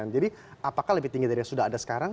jadi apakah lebih tinggi dari yang sudah ada sekarang